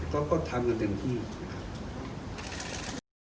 ก็ก็ทำเงินเป็นที่นะครับ